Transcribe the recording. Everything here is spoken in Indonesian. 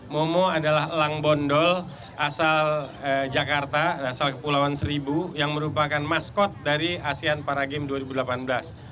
momo adalah elang bondol asal jakarta asal kepulauan seribu yang merupakan maskot dari asean para games dua ribu delapan belas